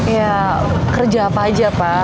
ya kerja apa aja pak